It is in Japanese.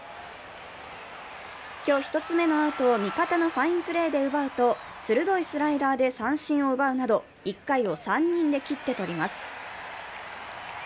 今日、１つ目のアウトを味方のファインプレーで奪うと、鋭いスライダーで三振を奪うなど１回を３人で切って取ります。